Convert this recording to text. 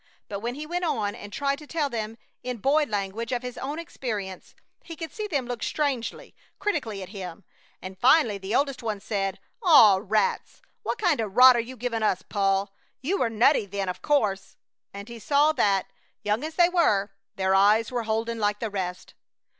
But when he went on and tried to tell them in boy language of his own experience he could see them look strangely, critically at him, and finally the oldest one said: "Aw rats! What kinda rot are you giving us, Paul? You were nutty then, o' course!" and he saw that, young as they were, their eyes were holden like the rest.